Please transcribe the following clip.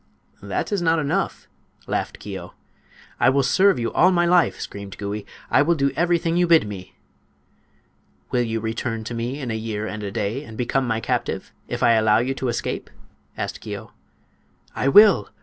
"That is not enough," laughed Keo. "I will serve you all my life!" screamed Gouie; "I will do everything you bid me!" "Will you return to me in a year and a day and become my captive, if I allow you to escape?" asked Keo. "I will!